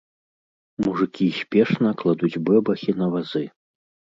Мужыкі спешна кладуць бэбахі на вазы.